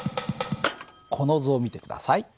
この図を見て下さい。